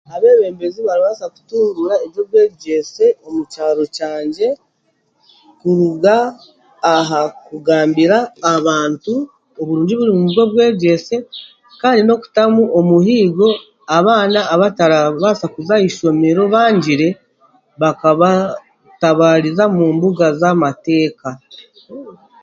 Abeebembezi barabaasa kutunguura eby'obwegyese omu kyaro kyangye kwiha aha kugambira abantu oburungi oburi mu by'omwegyese kandi n'okutamu omuhimbo abaana abatarabaasa kuza aha ishomero bangire bakabatabaariza mu mbuga z'amateeka